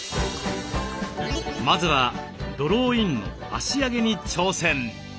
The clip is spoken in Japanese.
まずはドローインの足上げに挑戦。